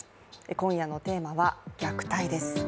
今夜のテーマは虐待です。